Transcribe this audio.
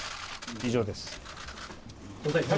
以上です。